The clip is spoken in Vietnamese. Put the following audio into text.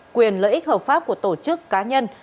quyền lợi ích hợp pháp của tổ chức cá nhân